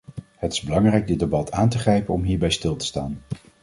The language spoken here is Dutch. Het is belangrijk dit debat aan te grijpen om hierbij stil te staan.